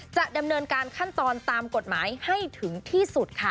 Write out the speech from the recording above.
จะดำเนินการขั้นตอนตามกฎหมายให้ถึงที่สุดค่ะ